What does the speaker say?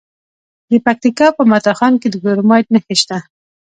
د پکتیکا په متا خان کې د کرومایټ نښې شته.